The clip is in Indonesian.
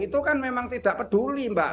itu kan memang tidak peduli mbak